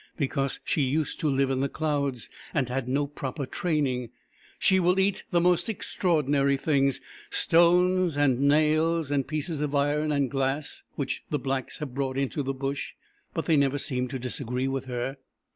Because she used to live in the clouds and had no proper training, she will eat the most extraordinary things— stones, and nails, and pieces of iron and glass, which the blacks have brought into the Bush — but they never seem to disagree with her.